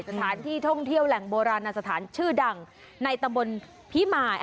สถานที่ท่องเที่ยวแหล่งโบราณสถานชื่อดังในตำบลพิมาย